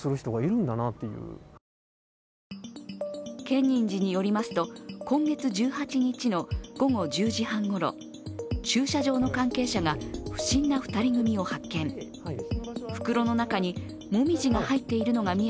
建仁寺によりますと今月１８日の午後１０時半ごろ、駐車場の関係者が不審な２人組を発見。